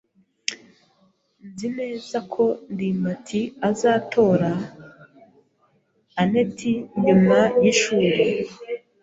Nzi neza ko ndimbati azatora anet nyuma yishuri.